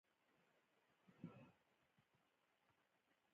آیا کاناډا د بشري حقونو اداره نلري؟